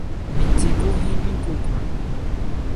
Mɛn nthekhó hɛ́n li Kokwra.